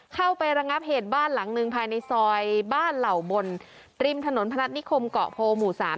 ระงับเหตุบ้านหลังหนึ่งภายในซอยบ้านเหล่าบนริมถนนพนัฐนิคมเกาะโพหมู่๓